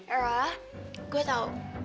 erya gua tahu